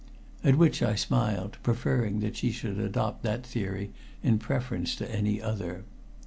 At which I smiled, preferring that she should adopt that theory in preference to any other.